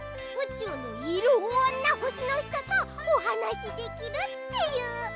うちゅうのいろんなほしのひととおはなしできるっていう。